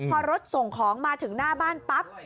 พอรถส่งของมาถึงหน้าบ้านปั๊บ